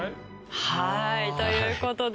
はいという事で。